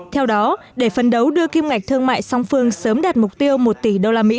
theo đó để phân đấu đưa kim ngạch thương mại song phương sớm đạt mục tiêu một tỷ usd